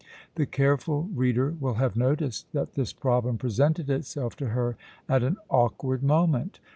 The careful reader will have noticed that this problem presented itself to her at an awkward moment.